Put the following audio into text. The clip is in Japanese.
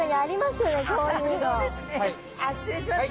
あっ失礼します！